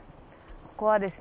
ここはですね。